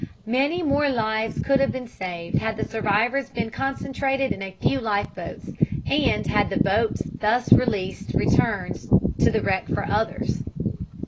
Many more lives could have been saved had the survivors been concentrated in a few life boats, and had the boats thus released returned to the wreck for others.